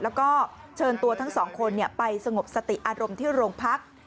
แล้วก็เชิญตัวทั้งสองคนไปสงบสติอารมณ์ที่โรงพัก